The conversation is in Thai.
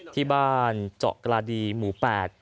ที่บ้านเจาะกระดีหมู่๘